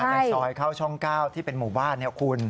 ในซอยเข้าช่อง๙ที่เป็นหมู่บ้านเนี่ยคุณ